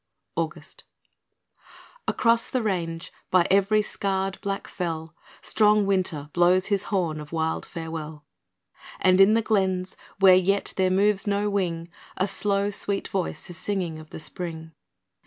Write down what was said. August Across the range, by every scarred black fell, Strong Winter blows his horn of wild farewell; And in the glens, where yet there moves no wing, A slow, sweet voice is singing of the Spring.